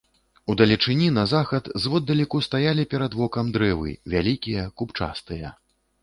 У далечыні на захад зводдалеку стаялі перад вокам дрэвы, вялікія, купчастыя.